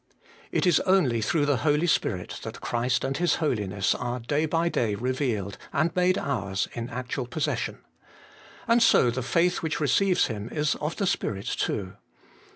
2. It is only through the Holy Spirit that Christ and His Holiness are day bi, day reuealed and made ours in actual possession. And so the faith which receives Him is of the Spirit too.